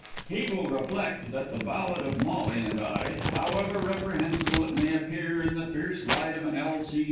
He will reflect that the ballad of "Molly and I," however reprehensible it may appear in the fierce light of an L.